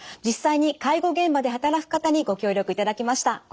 実際に介護現場で働く方にご協力いただきました。